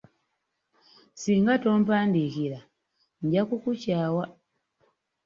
Singa tompandiikira, nja kukukyawa.